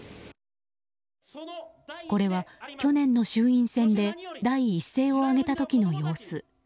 これは、去年の衆院選で第一声を上げた時の様子。